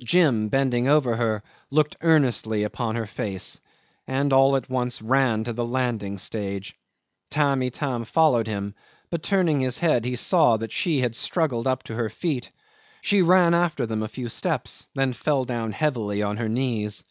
Jim, bending over her, looked earnestly upon her face, and all at once ran to the landing stage. Tamb' Itam followed him, but turning his head, he saw that she had struggled up to her feet. She ran after them a few steps, then fell down heavily on her knees.